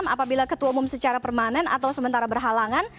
apabila ketua umum secara permanen atau sementara berhalangan